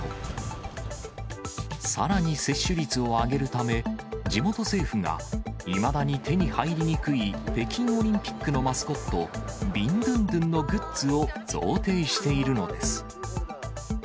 さらに接種率を上げるため、地元政府が、いまだに手に入りにくい北京オリンピックのマスコット、ビンドゥンドゥンのグッズを贈呈しているのです。